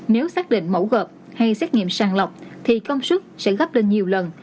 nếu xác định mẫu gợp hay xét nghiệm sàng lọc thì công sức sẽ gấp lên nhiều lần